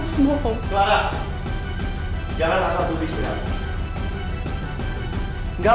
clara jangan asal putih sudah